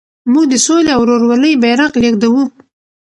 موږ د سولې او ورورولۍ بیرغ لېږدوو.